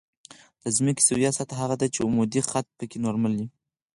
د ځمکې سویه سطح هغه ده چې عمودي خط پکې نورمال وي